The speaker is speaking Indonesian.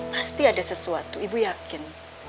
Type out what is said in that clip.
pasti ada sesuatu ibu yakin